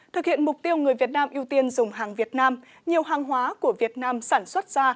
thực hiện mục tiêu người việt nam ưu tiên dùng hàng việt nam nhiều hàng hóa của việt nam sản xuất ra